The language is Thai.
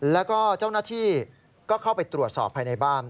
แล้วก็เจ้าหน้าที่ก็เข้าไปตรวจสอบภายในบ้าน